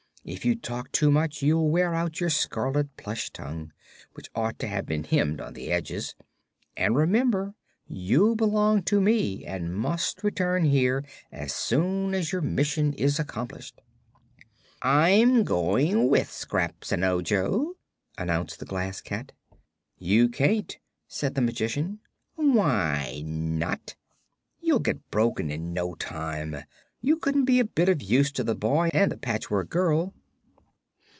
If you talk too much you'll wear out your scarlet plush tongue, which ought to have been hemmed on the edges. And remember you belong to me and must return here as soon as your mission is accomplished." "I'm going with Scraps and Ojo," announced the Glass Cat. "You can't," said the Magician. "Why not?" "You'd get broken in no time, and you couldn't be a bit of use to the boy and the Patchwork Girl."